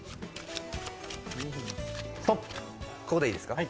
ここでいいですか？